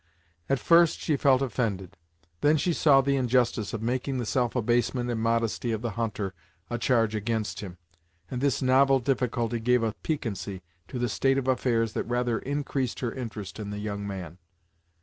At first, she felt offended; then she saw the injustice of making the self abasement and modesty of the hunter a charge against him, and this novel difficulty gave a piquancy to the state of affairs that rather increased her interest in the young man.